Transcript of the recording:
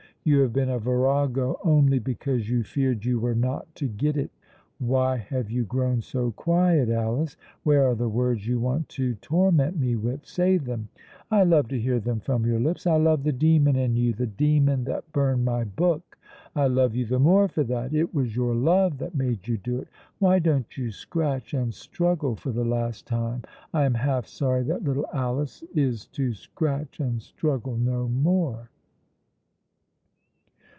You have been a virago only because you feared you were not to get it. Why have you grown so quiet, Alice? Where are the words you want to torment me with? Say them! I love to hear them from your lips. I love the demon in you the demon that burned my book. I love you the more for that. It was your love that made you do it. Why don't you scratch and struggle for the last time? I am half sorry that little Alice is to scratch and struggle no more."